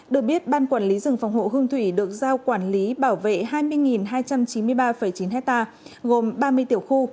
được biết ban quản lý rừng phòng hộ hương thủy được giao quản lý bảo vệ hai mươi hai trăm chín mươi ba chín hectare gồm ba mươi tiểu khu